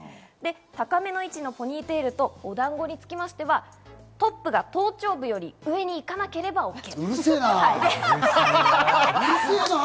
高めの位置のポニーテールとお団子については、トップが頭頂部より上にいかなければＯＫ。